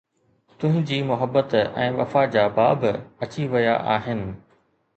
تنهنجي محبت ۽ وفا جا باب اچي ويا آهن